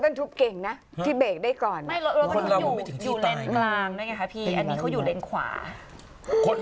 คนอื่นเดือดล้อนด้วยไงใช่ใช่ถูกต้องค่ะขอให้ไม่เป็นแบบนี้